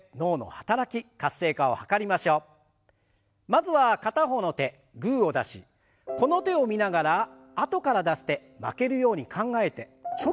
まずは片方の手グーを出しこの手を見ながらあとから出す手負けるように考えてチョキを出します。